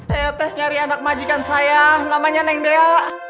saya teh nyari anak majikan saya namanya neng deo